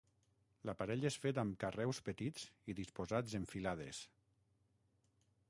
L'aparell és fet amb carreus petits i disposats en filades.